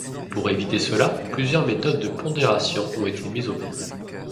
Pour éviter cela, plusieurs méthodes de pondération ont été mises au point.